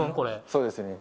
そうですね